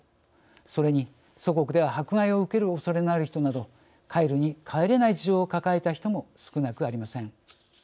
それに祖国では迫害を受けるおそれのある人など帰るに帰れない事情を抱えた人も少なくありません。